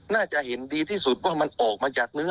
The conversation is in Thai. น่าจะเห็นดีที่สุดว่ามันออกมาจากเนื้อ